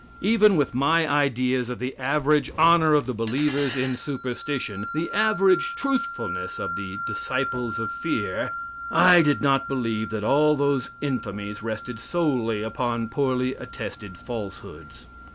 Even with my ideas of the average honor of the believers in superstition, the average truthfulness of the disciples of fear, I did not believe that all those infamies rested solely upon poorly attested falsehoods.